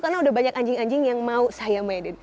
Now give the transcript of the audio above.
karena sudah banyak anjing anjing yang mau saya mainin